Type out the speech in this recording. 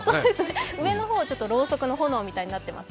上のほかはろうそくの炎みたいになっていますが。